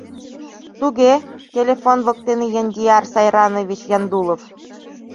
— Туге, телефон воктене Яндиар Сайранович Яндулов.